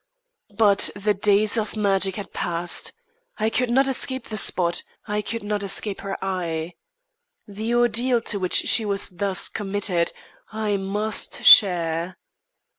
But the days of magic had passed. I could not escape the spot; I could not escape her eye. The ordeal to which she was thus committed, I must share.